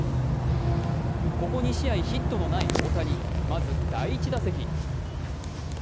ここ２試合ヒットのない大谷まず第１打席。